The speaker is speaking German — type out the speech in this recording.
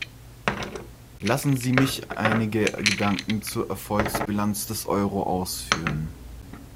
Lassen Sie mich einige Gedanken zur Erfolgsbilanz des Euro ausführen.